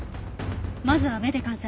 まずは目で観察。